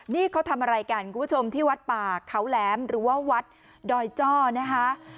นี่เขาทำอะไรกันคุณผู้ชมที่วัดป่าเขาแหลมหรือว่าวัดดอยจ้อนะคะ